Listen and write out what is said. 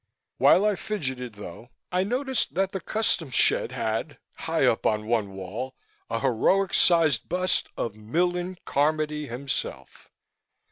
While I fidgeted, though, I noticed that the Customs shed had, high up on one wall, a heroic sized bust of Millen Carmody himself.